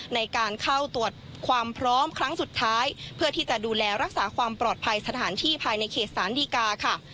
ในการเข้าตรวจความพร้อมครั้งสุดท้ายเพื่อที่จะดูแลรักษาความปลอดภัยสถานที่ภายในเขตสารดีกาค่ะ